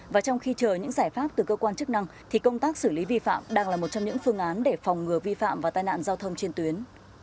và trong khi chờ những giải pháp từ cơ quan chức năng thì công tác xử lý vi phạm đang là một trong những phương án để phòng ngừa vi phạm và tai nạn giao thông trên tuyến